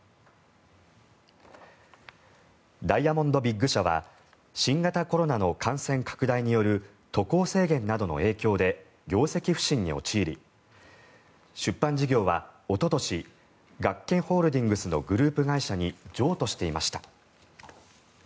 ダイヤモンド・ビッグ社は新型コロナの感染拡大による渡航制限などの影響で業績不振に陥り出版事業はおととし学研ホールディングスのグループ会社に譲渡していました。